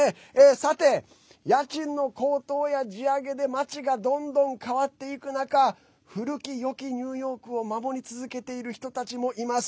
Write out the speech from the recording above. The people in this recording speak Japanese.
さて、家賃の高騰や地上げで街がどんどん変わっていく中古きよきニューヨークを守り続けている人たちもいます。